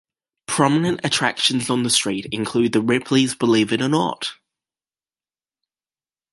Prominent attractions on the street include the Ripley's Believe It or Not!